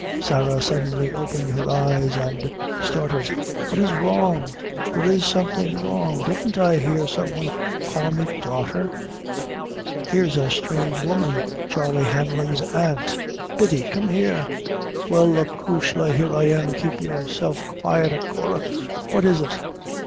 Sarah suddenly opened her eyes, and started. "What is wrong? There is something wrong. Didn't I hear some one callin' me daughter? Here's a strange woman Charley Hanlon's aunt Biddy, come here!" "Well, acushla, here I am keep yourself quiet, achora what is it?"